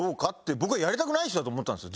僕はやりたくない人だと思ってたんですよ